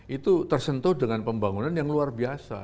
itu tersentuh dengan pembangunan yang luar biasa